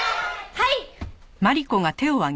はい！